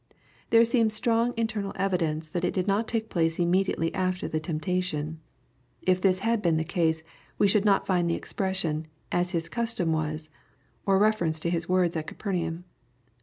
There seems strong internal evidence that it did not take place immediately after me temptation. If this had been the case, we should not find the expression, "as his custom was," or reference to His works at Capernaum.